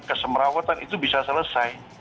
kesemerawatan itu bisa selesai